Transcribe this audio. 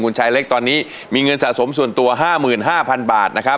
คุณชายเล็กตอนนี้มีเงินสะสมส่วนตัว๕๕๐๐๐บาทนะครับ